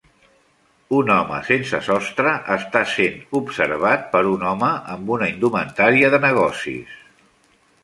Un home sense sostre està sent observat per un home amb una indumentària de negocis.